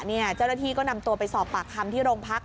เจ้าหน้าที่ก็นำตัวไปสอบปากคำที่โรงพัก